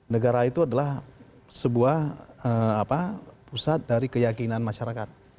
negara itu adalah sebuah pusat dari keyakinan masyarakat